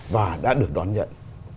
và đã được đón nhận